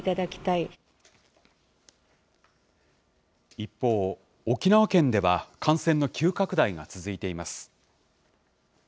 一方、沖縄県では感染の急拡大が続いています。